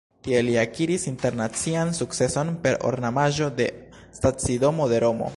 Tie li akiris internacian sukceson per ornamaĵo de stacidomo de Romo.